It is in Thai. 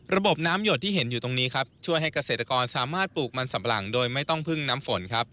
ระบบน้ำหยดที่เห็นอยู่ช่วยให้เกษตกรปลูกมันสัมปะหลังโดยไม่ต้องพึ่งน้ำฝน